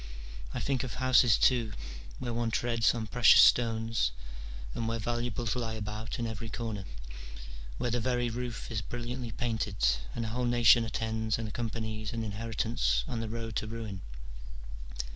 I think of houses too, where one treads on precious stones, and where valuables lie about in every corner, where the very roof is brilliantly painted, and a whole nation attends and accompanies an inheri tance on the road to ruin.